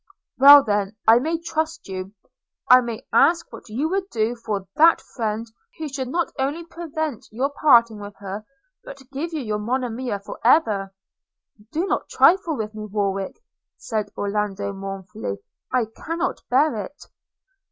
'Well, then, I may trust you – I may ask what you would do for that friend who should not only prevent your parting with her, but give you your Monimia for ever!' 'Do not trifle with me, Warwick,' said Orlando mournfully, 'I cannot bear it!'